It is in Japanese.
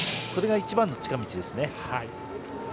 それが一番の近道ですね。